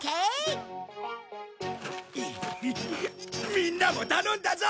みんなも頼んだぞ！